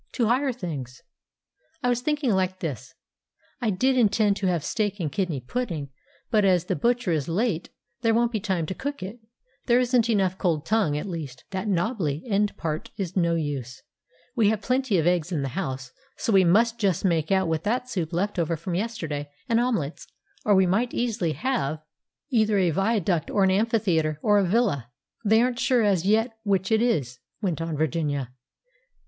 to higher things. I was thinking like this: "I did intend to have steak and kidney pudding, but as the butcher is late, there won't be time to cook it; there isn't enough cold tongue—at least, that knobbly end part is no use—we have plenty of eggs in the house, so we must just make out with that soup left over from yesterday and omelettes; or we might easily have——" "Either a viaduct or an amphitheatre or a villa; they aren't sure as yet which it is," went on Virginia.